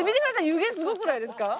湯気すごくないですか？